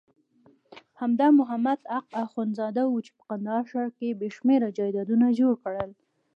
همدا محمد حق اخندزاده وو چې په کندهار ښار کې بېشمېره جایدادونه جوړ کړل.